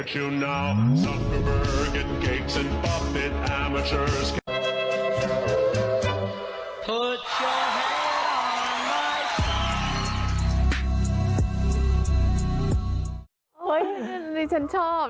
เฮ้ยนี่ฉันชอบ